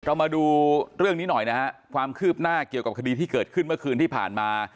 มาดูเรื่องนี้หน่อยนะฮะความคืบหน้าเกี่ยวกับคดีที่เกิดขึ้นเมื่อคืนที่ผ่านมา